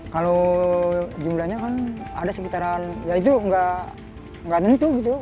kalau jumlahnya kan ada sekitaran ya itu nggak tentu gitu